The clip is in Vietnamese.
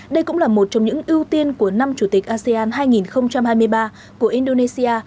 đây cũng là một trong những ưu tiên của năm chủ tịch asean hai nghìn hai mươi ba của indonesia